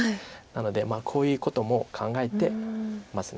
なのでこういうことも考えてます。